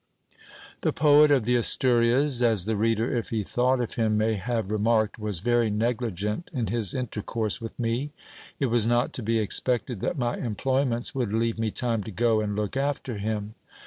The poet of the Asturias, as the reader, if he thought of him, may have remarked, was very negligent in his intercourse with me. It was not to be expected, that my employments would leave me time to go and look after him.